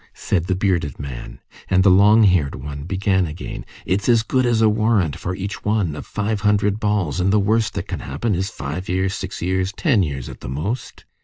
said the bearded man. And the long haired one began again:— "It's as good as a warrant for each one, of five hundred balls, and the worst that can happen is five years, six years, ten years at the most!"